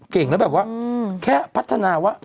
เก่งแล้วแบบว่าแค่พัฒนาว่า